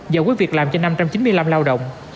giải quyết việc làm cho năm trăm chín mươi năm lao động